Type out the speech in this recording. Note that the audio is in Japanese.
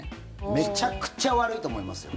めちゃくちゃ悪いと思いますよ。